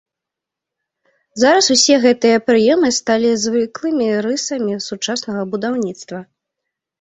Зараз усе гэтыя прыёмы сталі звыклымі рысамі сучаснага будаўніцтва.